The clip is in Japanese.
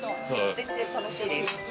全然楽しいです。